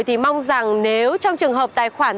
thì mong rằng nếu trong trường hợp tài khoản